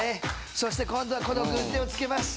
そして今度はこの軍手を付けます。